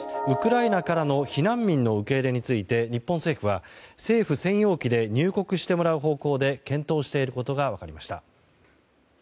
ウクライナからの避難民の受け入れについて日本政府は政府専用機で入国してもらう方向で検討していることが分かりました。